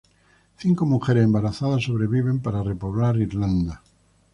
Cinco mujeres embarazadas sobreviven para repoblar Irlanda.